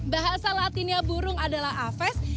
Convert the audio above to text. bahasa latinnya burung adalah aves